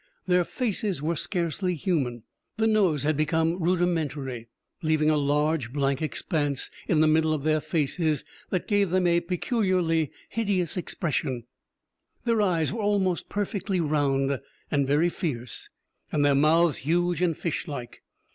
Their faces were scarcely human. The nose had become rudimentary, leaving a large, blank expanse in the middle of their faces that gave them a peculiarly hideous expression. Their eyes were almost perfectly round, and very fierce, and their mouths huge and fishlike.